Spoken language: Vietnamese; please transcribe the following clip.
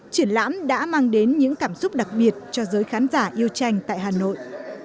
triển lãm đã mang đến những cảm xúc đặc biệt cho giới khán giả yêu tranh tại hà nội